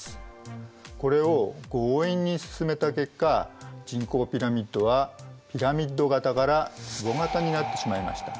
これを強引に進めた結果人口ピラミッドはピラミッド型からつぼ型になってしまいました。